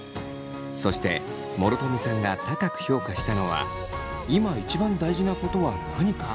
そして諸富さんが高く評価したのは今一番大事なことは何か？